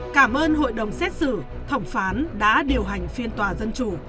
cảm ơn hội đồng xét xử thẩm phán đã điều hành phiên tòa dân chủ